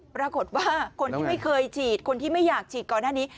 ปรากฏว่าคนที่ไม่เคยฉีดคนที่ไม่อยากฉีดก่อนหน้านี้